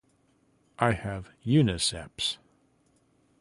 I have a uniceps.